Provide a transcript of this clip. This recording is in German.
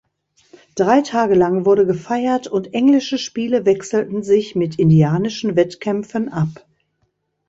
Drei Tage lang wurde gefeiert und englische Spiele wechselten sich mit indianischen Wettkämpfen ab.